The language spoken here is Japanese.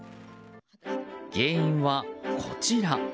原因は、こちら。